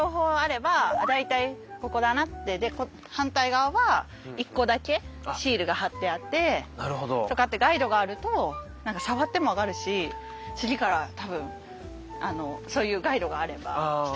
で反対側は１個だけシールが貼ってあってとかってガイドがあると触っても分かるし次から多分そういうガイドがあれば１人でできる。